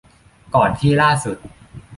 ก่อนที่ล่าสุด